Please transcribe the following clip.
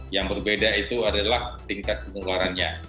yang berbeda itu adalah tingkat penularannya